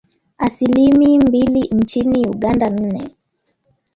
asilimi mbili nchini Uganda nne